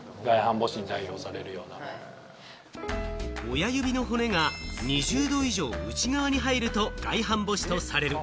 親指の骨が２０度以上、内側に入ると外反母趾とされる。